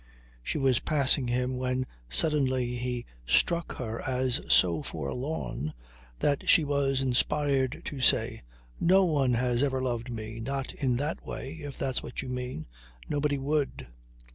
She was passing him when suddenly he struck her as so forlorn that she was inspired to say: "No one has ever loved me not in that way if that's what you mean. Nobody would."